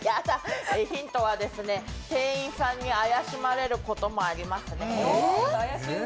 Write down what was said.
ヒントは、店員さんに怪しまれることもありますね。